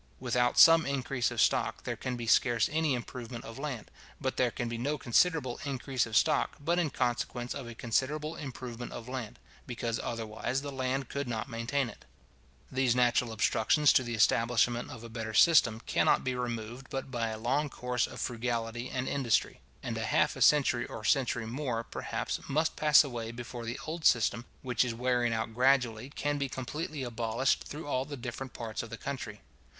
Without some increase of stock, there can be scarce any improvement of land, but there can be no considerable increase of stock, but in consequence of a considerable improvement of land; because otherwise the land could not maintain it. These natural obstructions to the establishment of a better system, cannot be removed but by a long course of frugality and industry; and half a century or a century more, perhaps, must pass away before the old system, which is wearing out gradually, can be completely abolished through all the different parts of the country.